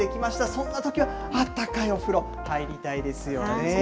そんなときはあったかいお風呂、入りたいですよね。